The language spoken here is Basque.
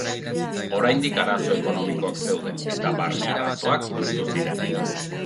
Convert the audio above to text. Oraindik arazoa ekonomikoak zeuden, eta barne arazoak piztu ziren.